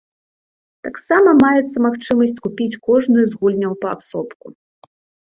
Таксама маецца магчымасць купіць кожную з гульняў паасобку.